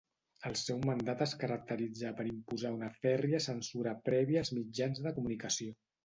El seu mandat es caracteritzà per imposar una fèrria censura prèvia als mitjans de comunicació.